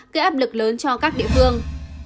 gây áp lực lớn cho các địa phương